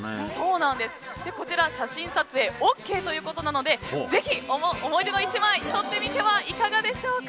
写真撮影ＯＫということなのでぜひ思い出の１枚撮ってみてはいかがでしょうか。